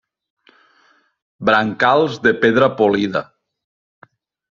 Brancals de pedra polida.